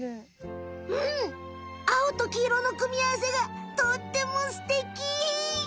うん青と黄色のくみあわせがとってもすてき！